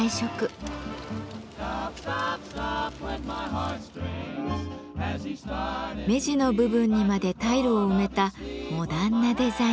目地の部分にまでタイルを埋めたモダンなデザイン。